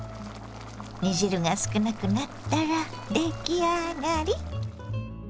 煮汁が少なくなったら出来上がり。